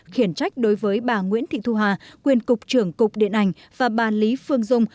khiển trách đối với bà nguyễn thị thu hà quyền cục trưởng cục điện ảnh và bà lý phương dung